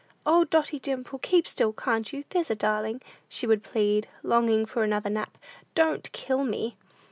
"O, Dotty Dimple, keep still; can't you? There's a darling," she would plead, longing for another nap; "don't kill me."